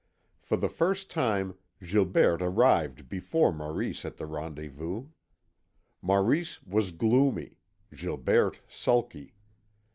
For the first time Gilberte arrived before Maurice at the rendezvous. Maurice was gloomy, Gilberte sulky.